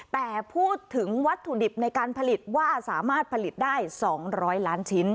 แต่พูดถึงวัตถุดิบในการผลิตว่าสามารถผลิตได้๒๐๐ล้านชิ้น